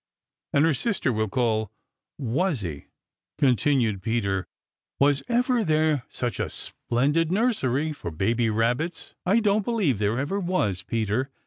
And her sister we'll call Wuzzy," continued Peter. "Was ever there such a splendid nursery for baby Rabbits?" "I don't believe there ever was, Peter.